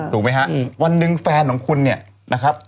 ถูกไหมฮะวันหนึ่งแฟนของคุณเนี่ยนะครับ